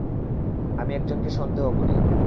আমি একজনকে সন্দেহ করি।